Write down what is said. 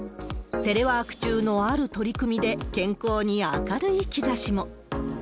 テレワーク中のある取り組みで、健康に明るい兆しも。